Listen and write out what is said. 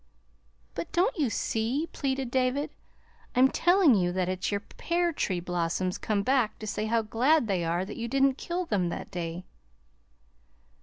"But don't you see?" pleaded David. "I'm telling you that it's your pear tree blossoms come back to say how glad they are that you didn't kill them that day."